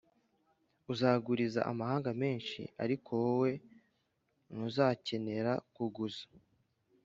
uzaguriza amahanga menshi ariko wowe ntuzakenera kuguza